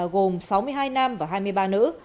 gồm sáu mươi hai nam và hai mươi ba nữ